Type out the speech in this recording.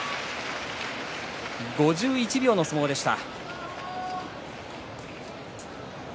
５１秒の相撲でした。